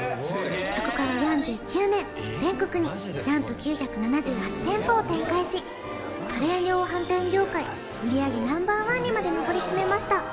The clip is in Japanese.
そこから４９年全国に何と９７８店舗を展開し家電量販店業界売り上げＮｏ．１にまでのぼりつめました